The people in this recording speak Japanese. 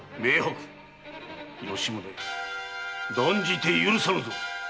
吉宗断じて許さぬぞ！